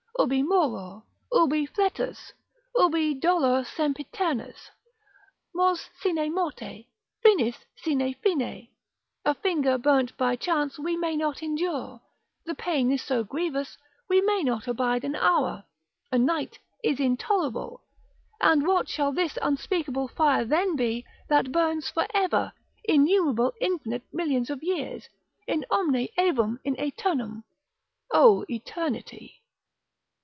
Ubi moeror, ubi fletus, ubi dolor sempiternus. Mors sine morte, finis sine fine; a finger burnt by chance we may not endure, the pain is so grievous, we may not abide an hour, a night is intolerable; and what shall this unspeakable fire then be that burns for ever, innumerable infinite millions of years, in omne aevum in aeternum. O eternity!